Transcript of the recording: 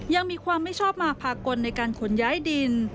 ยังมีความไม่ชอบมาพากลในการขนย้ายดิน